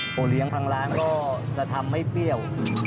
พอเลี้ยงทางร้านก็จะทำให้เปรี้ยว